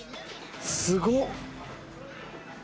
すごっ！